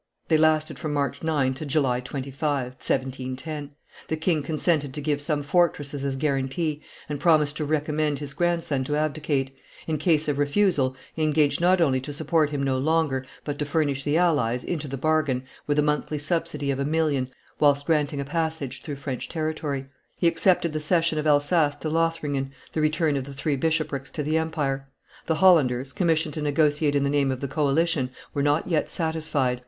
They lasted from March 9 to July 25, 1710; the king consented to give some fortresses as guarantee, and promised to recommend his grandson to abdicate; in case of refusal, he engaged not only to support him no longer, but to furnish the allies, into the bargain, with a monthly subsidy of a million, whilst granting a passage through French territory; he accepted the cession of Elsass to Lothringen, the return of the three bishoprics to the empire; the, Hollanders, commissioned to negotiate in the name of the coalition, were not yet satisfied.